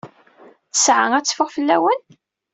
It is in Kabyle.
Ttesɛa ad teffeɣ fell-awen?